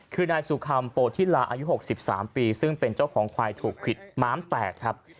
คือนายสุคำโปธิลาอายุ๖๓ปีซึ่งเป็นเจ้าของควายถูกขวิดม้ามแตกครับ